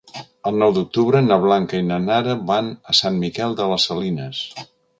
El nou d'octubre na Blanca i na Nara van a Sant Miquel de les Salines.